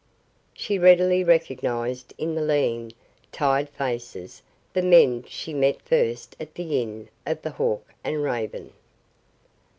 She readily recognized in the lean, tired faces the men she had met first at the Inn of the Hawk and Raven.